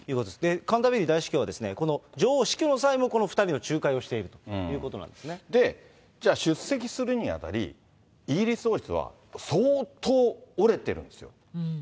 カンタベリー大主教は、この女王死去の際もこの２人の仲介をしているということなんですじゃあ、出席するにあたり、イギリス王室は、相当折れてるんですよ。